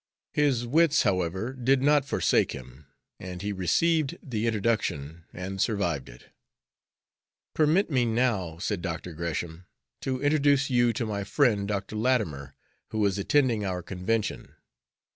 His wits, however, did not forsake him, and he received the introduction and survived it. "Permit me, now," said Dr. Gresham, "to introduce you to my friend, Dr. Latimer, who is attending our convention.